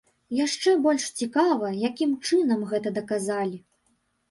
Яшчэ больш цікава, якім чынам гэта даказалі.